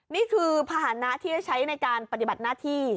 นี่คือพาหนะที่ใช้อยู่ในการปฏิบัติหน้าที่